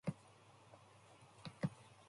She bore him nine children.